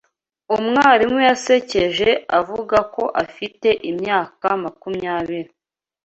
Umwarimu yasekeje avuga ko afite imyaka makumyabiri.